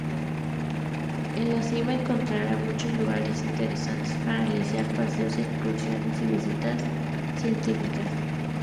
En La Ceiba encontrará muchos lugares interesantes para realizar paseos, excursiones y visitas científicas.